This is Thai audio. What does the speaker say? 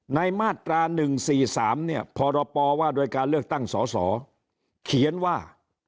มาตรา๑๔๓เนี่ยพรปว่าโดยการเลือกตั้งสสเขียนว่า